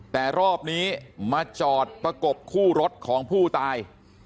แต่รอบนี้มาจอดประกบคู่รถของผู้ตาย